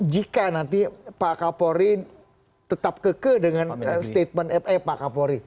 jika nanti pak kapolri tetap keke dengan statement fa pak kapolri